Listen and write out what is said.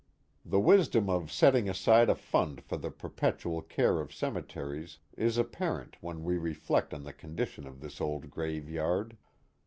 The wisdom of setting aside a fund for the perpetual care of cemeteries is apparent when we reflect on the condition of this old graveyard.